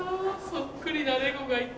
そっくりなレゴがいて。